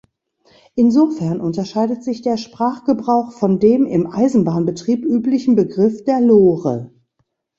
Insofern unterscheidet sich der Sprachgebrauch von dem im Eisenbahnbetrieb üblichen Begriff der Lore.